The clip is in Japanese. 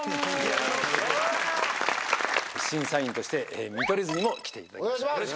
審査員として見取り図にも来ていただきました。